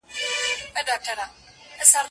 وايی بیا به درته سیخ سي بارانونه د بمونو